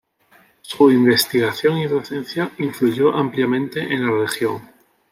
Su investigación y docencia influyó ampliamente en la región.